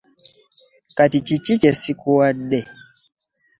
Kati kiki kye ssikuwadde?